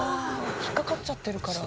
引っ掛かっちゃってるから。